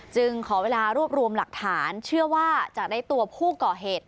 ขอเวลารวบรวมหลักฐานเชื่อว่าจะได้ตัวผู้ก่อเหตุ